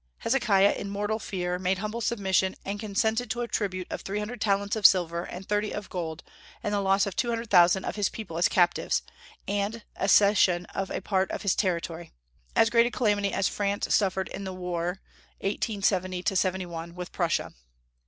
Hezekiah, in mortal fear, made humble submission, and consented to a tribute of three hundred talents of silver and thirty of gold, and the loss of two hundred thousand of his people as captives, and a cession of a part of his territory, as great a calamity as France suffered in the war (1870 71) with Prussia.